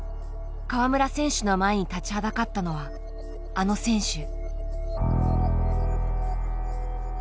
川村選手の前に立ちはだかったのはあの選手。